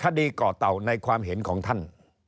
ก่อเต่าในความเห็นของท่าน